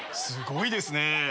すごいですね。